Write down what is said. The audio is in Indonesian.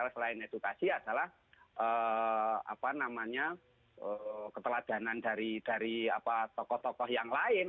selain edukasi adalah keteladanan dari tokoh tokoh yang lain